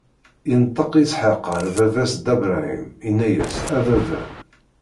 Inṭeq Isḥaq ɣer baba-s Dda Bṛahim, inna-as: A Baba!